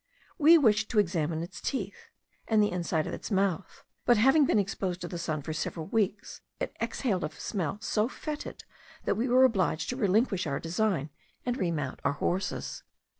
We wished to examine its teeth, and the inside of its mouth; but having been exposed to the sun for several weeks, it exhaled a smell so fetid that we were obliged to relinquish our design and remount our horses.